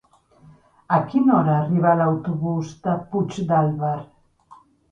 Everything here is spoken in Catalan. A quina hora arriba l'autobús de Puigdàlber?